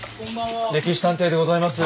「歴史探偵」でございます。